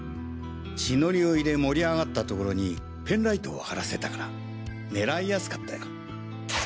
血ノリを入れ盛りあがった所にペンライトを貼らせたから狙いやすかったよ。